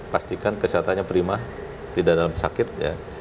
pastikan kesehatannya prima tidak dalam sakit ya